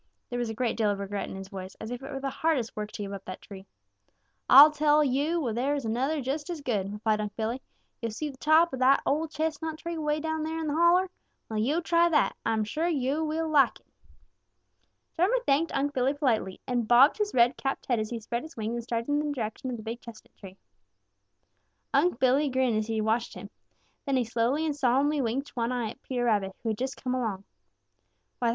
There was a great deal of regret in his voice, as if it were the hardest work to give up that tree. "Ah'll tell yo' where there's another just as good," replied Unc' Billy. "Yo' see the top of that ol' chestnut tree way down there in the holler? Well, yo' try that. Ah'm sure yo' will like it." Drummer thanked Unc' Billy politely and bobbed his red capped head as he spread his wings and started in the direction of the big chestnut tree. Unc' Billy grinned as he watched him. Then he slowly and solemnly winked one eye at Peter Rabbit, who had just come along. "What's the joke?" asked Peter.